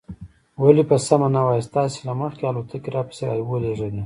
ولې په سمه نه وایاست؟ تاسې له مخکې الوتکې را پسې را ولېږلې.